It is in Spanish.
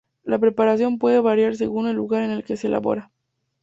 La preparación puede variar según el lugar en el que se elabora.